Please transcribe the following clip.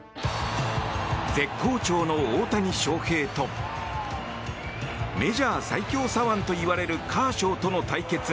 絶好調の大谷翔平とメジャー最強左腕といわれるカーショーとの対決。